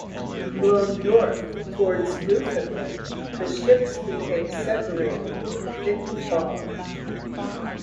Blown north towards Newfoundland, the ships became separated in thick fog.